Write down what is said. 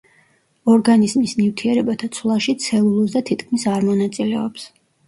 ორგანიზმის ნივთიერებათა ცვლაში ცელულოზა თითქმის არ მონაწილეობს.